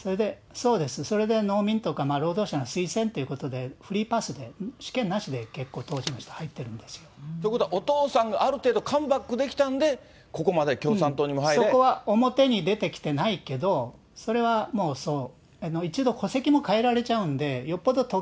そうです、それで農民、労働者の推薦ということで、フリーパスで試験なしで結構当時の人、入ってるんですよ。ということはお父さん、ある程度カムバックできたんで、ここそこは表に出てきてないけど、それはもうそう。